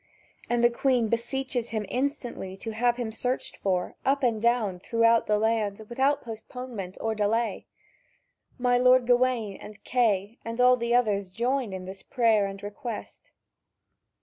And the Queen beseeches him insistently to have him searched for, up and down throughout the land, without postponement or delay. My lord Gawain and Kay and all the others join in this prayer and request.